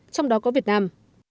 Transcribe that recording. trong đó có việt nam